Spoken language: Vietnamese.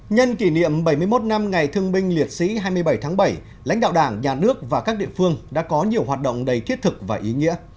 nhân kỷ niệm bảy mươi một năm ngày thương binh liệt sĩ hai mươi bảy tháng bảy lãnh đạo đảng nhà nước và các địa phương đã có nhiều hoạt động đầy thiết thực và ý nghĩa